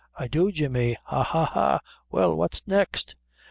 "I do, Jemmy ha, ha, ha! Well, what next?"